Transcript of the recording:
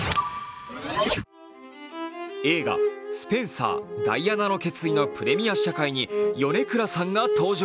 映画「スペンサーダイアナの決意」のプレミア試写会に米倉さんが登場。